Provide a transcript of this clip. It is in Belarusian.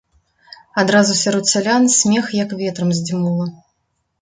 Адразу сярод сялян смех як ветрам здзьмула.